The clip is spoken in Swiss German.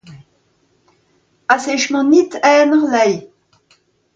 Es ìsch mìr nìtt einerlei.